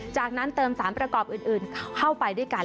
จากนั้นเติมสารประกอบอื่นเข้าไปด้วยกัน